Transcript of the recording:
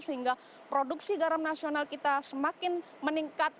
sehingga produksi garam nasional kita semakin meningkat